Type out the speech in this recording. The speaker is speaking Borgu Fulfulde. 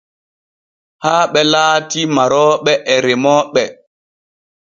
Haaɓe laati marooɓe he remmoɓe.